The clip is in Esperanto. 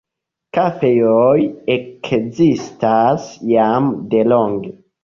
Kafejoj ekzistas jam delonge.